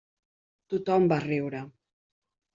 Tothom va riure.